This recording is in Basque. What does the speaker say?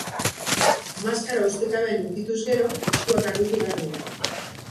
Maskara ustekabean ukituz gero, eskuak garbitu behar dira.